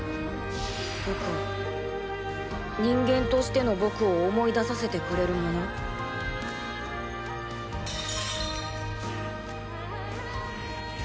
僕を人間としての僕を思い出させてくれるもの？・・シン！